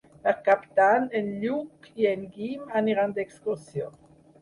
Per Cap d'Any en Lluc i en Guim aniran d'excursió.